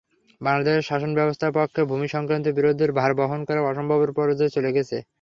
বাংলাদেশের শাসনব্যবস্থার পক্ষে ভূমিসংক্রান্ত বিরোধের ভার বহন করা অসম্ভবের পর্যায়ে চলে গেছে।